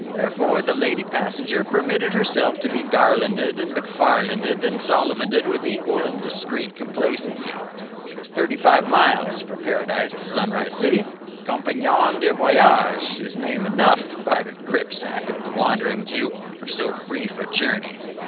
Therefore the lady passenger permitted herself to be Garlanded and McFarlanded and Solomoned with equal and discreet complacency. It is thirty five miles from Paradise to Sunrise City. Compagnon de voyage is name enough, by the gripsack of the Wandering Jew! for so brief a journey.